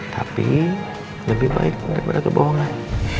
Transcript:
tapi lebih baik daripada kebohongan